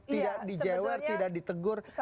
tidak dijewer tidak ditegur